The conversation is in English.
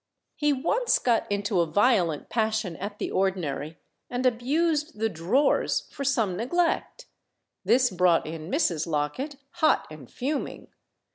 He once got into a violent passion at the ordinary, and abused the "drawers" for some neglect. This brought in Mrs. Locket, hot and fuming.